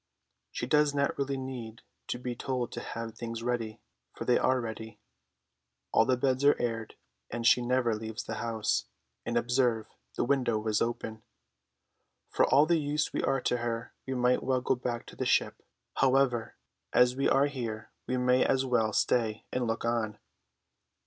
She does not really need to be told to have things ready, for they are ready. All the beds are aired, and she never leaves the house, and observe, the window is open. For all the use we are to her, we might well go back to the ship. However, as we are here we may as well stay and look on.